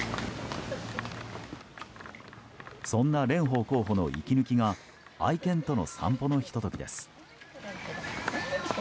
そんな蓮舫候補の息抜きが愛犬との散歩のひと時です。